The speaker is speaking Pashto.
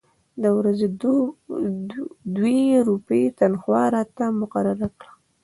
د ورځې دوې روپۍ تنخوا راته مقرره کړه.